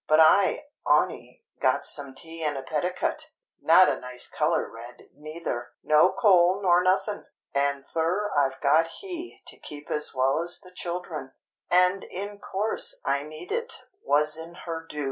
But I on'y got some tea and a petticut (not a nice colour red neither), no coal nor nothing, and thur I've got he to keep as well as the children, and in course I need it wuss'n her do!"